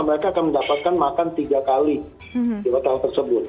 mereka akan mendapatkan makan tiga kali di hotel tersebut